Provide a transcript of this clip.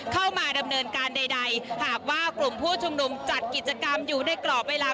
เข้ามาดำเนินการใดหากว่ากลุ่มผู้ชุมนุมจัดกิจกรรมอยู่ในกรอบเวลา